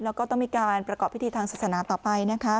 แล้วก็ต้องมีการประกอบพิธีทางศาสนาต่อไปนะคะ